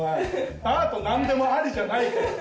アートなんでもありじゃないからさ。